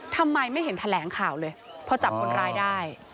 ทำไมไม่เห็นแถลงข่าวเลยพอจับคนร้ายได้